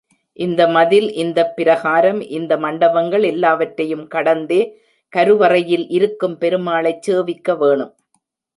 இந்த மதில், இந்தப் பிரகாரம், இந்த மண்டபங்கள் எல்லாவற்றையும் கடந்தே கருவறையில் இருக்கும் பெருமாளைச் சேவிக்க வேணும்.